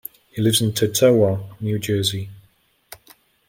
He lives in Totowa, New Jersey.